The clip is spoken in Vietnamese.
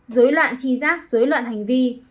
dối loạn chi giác dối loạn hành vi